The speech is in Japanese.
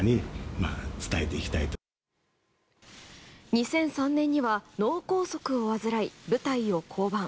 ２００３年には脳梗塞を患い、舞台を降板。